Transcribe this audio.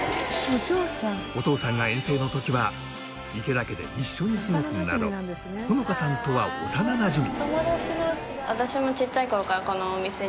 お父さんが遠征の時は池田家で一緒に過ごすなど穂乃花さんとは幼なじみ。